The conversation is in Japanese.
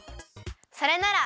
それなら！